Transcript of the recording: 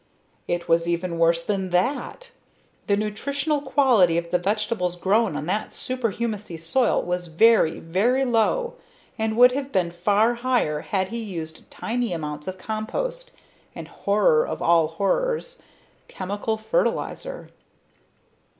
It was even worse than that! The nutritional quality of the vegetables grown on that superhumusy soil was very, very low and would have been far higher had he used tiny amounts of compost and, horror of all horrors, chemical fertilizer.